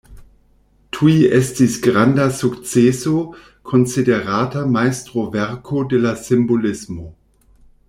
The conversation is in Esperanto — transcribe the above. Tuj estis granda sukceso, konsiderata majstroverko de la simbolismo.